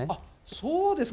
そうですか。